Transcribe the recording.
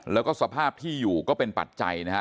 แล้วก็สภาพที่อยู่ก็เป็นปัจจัยนะฮะ